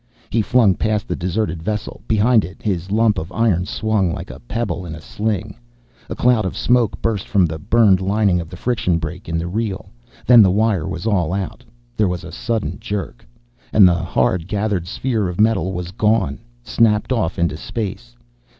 He flung past the deserted vessel, behind it, his lump of iron swung like a pebble in a sling. A cloud of smoke burst from the burned lining of the friction brake, in the reel. Then the wire was all out; there was a sudden jerk. And the hard gathered sphere of metal was gone snapped off into space.